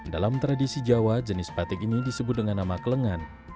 dalam tradisi jawa jenis batik ini disebut dengan nama kelengan